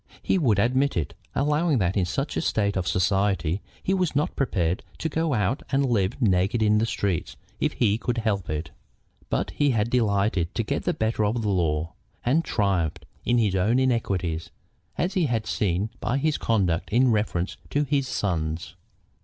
He would admit it, allowing that in such a state of society he was not prepared to go out and live naked in the streets if he could help it. But he delighted to get the better of the law, and triumphed in his own iniquity, as has been seen by his conduct in reference to his sons.